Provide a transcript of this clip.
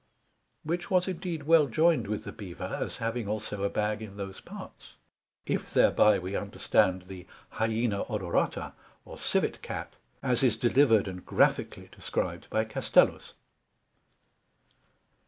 Which was indeed well joined with the Bever, as having also a bag in those parts; if thereby we understand the Hyena odorata, or Civet Cat, as is delivered and graphically described by Castellus.